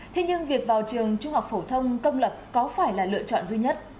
thế nhưng việc vào trường trung học phổ thông công lập có phải là lựa chọn duy nhất